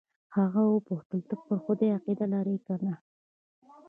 هغه وپوښتل ته پر خدای عقیده لرې که نه.